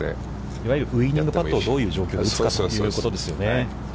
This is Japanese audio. いわゆるウイニングパットをどういう状況で打つかということですよね。